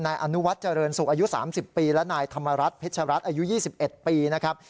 นายอนุวัฒน์เจริญสุขอายุ๓๐ปีและนายธรรมรัฐเพชรัตน์อายุ๒๑ปีนะครับ